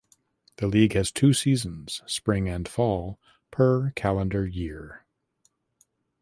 The league has two seasons (spring and fall) per calendar year.